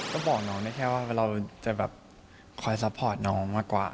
ก็บอกน้องได้แค่ว่าเราจะแบบคอยซัพพอร์ตน้องมากกว่า